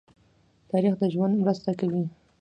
تاریخ د ژوند مرسته کوي.